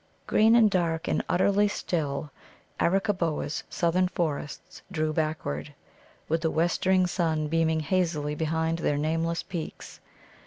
Green and dark and utterly still Arakkaboa's southern forests drew backward, with the westering sun beaming hazily behind their nameless peaks.